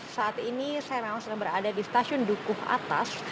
saat ini saya memang sudah berada di stasiun dukuh atas